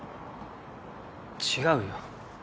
違うよ。